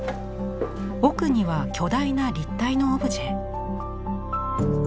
奥には巨大な立体のオブジェ。